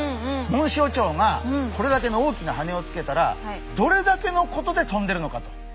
モンシロチョウがこれだけの大きなはねをつけたらどれだけのことで飛んでるのかと。